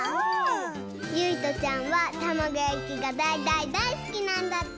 ゆいとちゃんはたまごやきがだいだいだいすきなんだって！